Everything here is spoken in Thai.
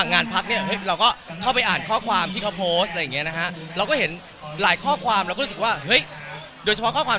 ถ้าพี่เพดโต๊ทมาได้คุยก็คุยกับชอนดีกัน